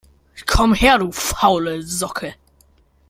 Komm her, du faule Socke!